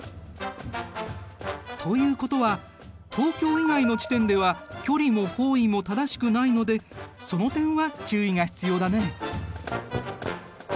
ということは東京以外の地点では距離も方位も正しくないのでその点は注意が必要だね。